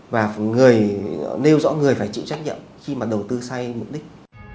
và nêu rõ người phải chịu trách nhiệm khi mà đầu tư sai mục đích